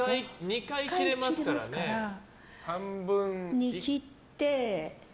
半分に切って。